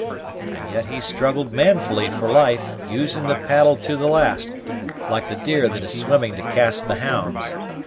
And yet he struggled manfully for life, using the paddle to the last, like the deer that is swimming to cast the hounds.